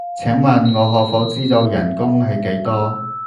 請問我可否知道人工係幾多？